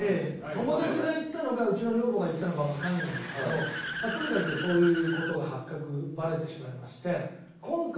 友達が言ったのかうちの女房が言ったのかはわかんないんだけどとにかくそういう事が発覚バレてしまいまして。